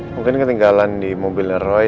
mungkin ketinggalan di mobilnya roy